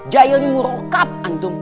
jahilnya murukap antum